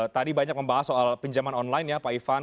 tadi banyak membahas soal pinjaman online ya pak ivan